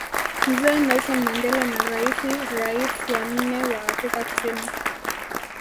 Mzee Nelson Mandela na raisi Rais wa nne wa Afrika kusini